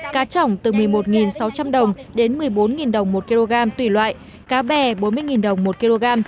cá trỏng từ một mươi một sáu trăm linh đồng đến một mươi bốn đồng một kg tùy loại cá bè bốn mươi đồng một kg